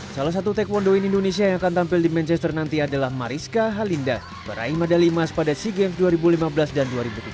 salah satu taekwondo indonesia yang akan tampil di manchester nanti adalah mariska halinda peraih medali emas pada sea games dua ribu lima belas dan dua ribu tujuh belas